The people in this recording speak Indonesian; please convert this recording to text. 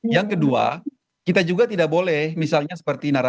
yang kedua kita juga tidak boleh misalnya seperti narasi